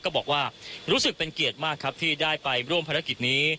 ก็บอกว่ารู้สึกเป็นเกียรติมากครับที่ได้ไปร่วมภารกิจนี้